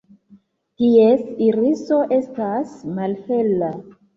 Ties iriso estas malhela.